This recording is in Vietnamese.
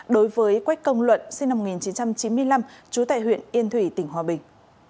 đối với quách công luận sinh năm một nghìn chín trăm chín mươi năm trú tại huyện yên thủy tỉnh hòa bình